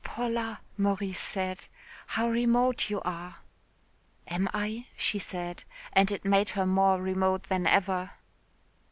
"Paula," Maurice said, "how remote you are." "Am I?" she said. And it made her more remote than ever.